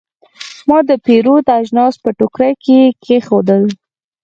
ما د پیرود اجناس په ټوکرۍ کې کېښودل.